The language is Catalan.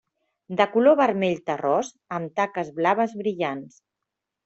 De color vermell terrós amb taques blaves brillants.